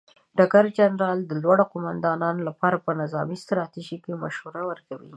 ډګر جنرال د لوړو قوماندانانو لپاره په نظامي ستراتیژۍ کې مشوره ورکوي.